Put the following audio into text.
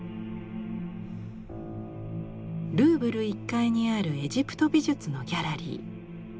ルーブル１階にあるエジプト美術のギャラリー。